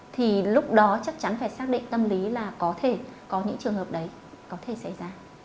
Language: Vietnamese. thì lúc đó chắc chắn phải xác định tâm lý là có thể có những trường hợp đấy có thể xảy ra